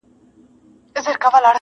له دې رازه مي خبر که دیار زړه خو،